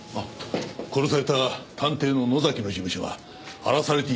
殺された探偵の野崎の事務所が荒らされていたそうです。